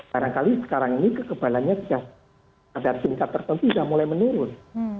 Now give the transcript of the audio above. barangkali sekarang ini kekebalannya sudah pada tingkat tertentu sudah mulai menurun